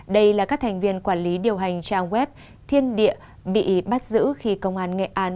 đây là các thành viên quản lý điều hành trang web thiên địa bị bắt giữ khi công an nghệ an